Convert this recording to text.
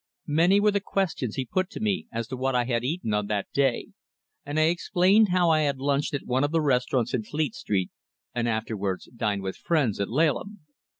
Many were the questions he put to me as to what I had eaten on that day, and I explained how I had lunched at one of the restaurants in Fleet Street, and afterwards dined with friends at Laleham.